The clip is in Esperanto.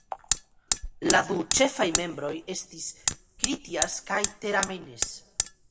La du ĉefaj membroj estis Kritjas kaj Teramenes.